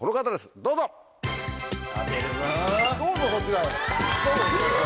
どうぞそちらへ。